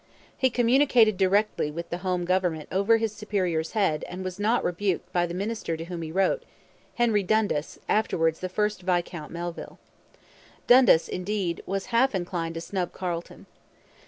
He communicated directly with the home government over his superior's head and was not rebuked by the minister to whom he wrote Henry Dundas, afterwards first Viscount Melville. Dundas, indeed, was half inclined to snub Carleton.